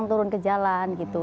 turun ke jalan gitu